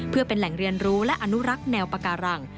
เพื่อเป็นแหล่งเรียนรู้และอนุรักษ์แนวปาการัง